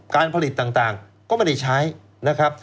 การผลิตต่างก็ไม่ได้ใช้นะครับ